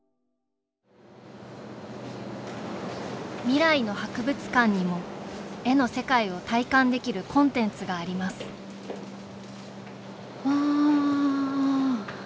「未来の博物館」にも絵の世界を体感できるコンテンツがありますうわ。